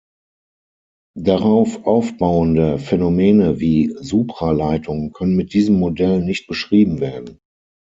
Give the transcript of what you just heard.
Darauf aufbauende Phänomene wie Supraleitung können mit diesem Modell nicht beschrieben werden.